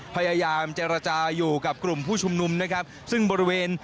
พยายามเจรจาอยู่กับกลุ่มผู้ชุมนุมนะครับซึ่งบริเวณ